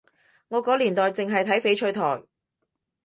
我個年代淨係睇翡翠台